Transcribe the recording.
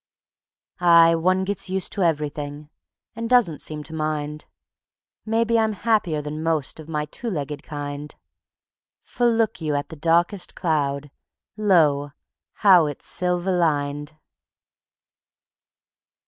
Aye, one gets used to everything, And doesn't seem to mind; Maybe I'm happier than most Of my two legged kind; For look you at the darkest cloud, Lo! how it's silver lined.